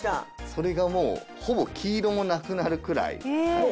それがもうほぼ黄色もなくなるくらい。